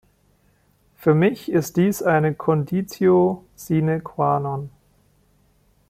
Für mich ist dies eine Conditio sine qua non.